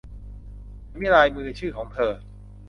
ฉันมีลายมือชื่อของเธอ